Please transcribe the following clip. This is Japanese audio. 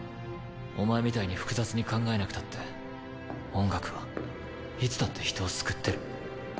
お前みたいに複雑に考えなくたって音楽はいつだって人を救ってる。